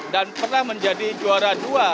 dan pernah menjadi juara dua